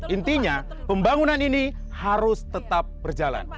intinya pembangunan ini harus tetap berjalan